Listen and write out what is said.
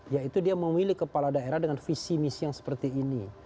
yaitu dia memilih kepala daerah dengan visi misi yang seperti ini